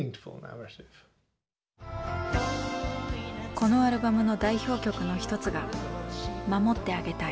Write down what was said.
このアルバムの代表曲の一つが「守ってあげたい」。